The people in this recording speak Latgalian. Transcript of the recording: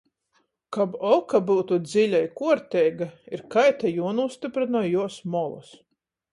Kab oka byutu dziļa i kuorteiga, ir kaita juonūstyprynoj juos molys.